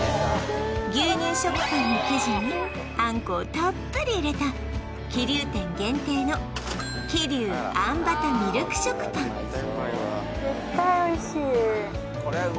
牛乳食パンの生地にあんこをたっぷり入れた桐生店限定の桐生あんバタみるく食パン